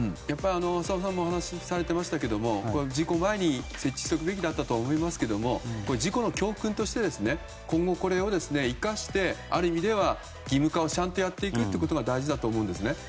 浅尾さんもお話しされていましたが事故前に設置しておくべきだったと思いますけど事故の教訓として今後、これを生かしてある意味では義務化をちゃんとやっていくことが大事だと思います。